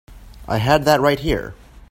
I had that right here.